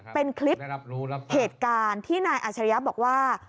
เป็นคลิปเหตุการณ์ที่นายอาชริยะบอกว่า